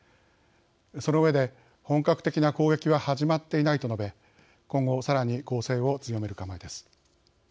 その上で、本格的な攻撃は始まっていないと述べ今後さらに攻勢を強める構えです。